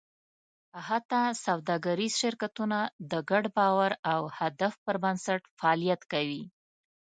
حتی سوداګریز شرکتونه د ګډ باور او هدف پر بنسټ فعالیت کوي.